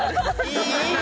いい！